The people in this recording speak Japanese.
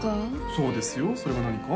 そうですよそれが何か？